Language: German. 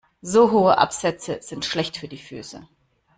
So hohe Absätze sind schlecht für die Füße.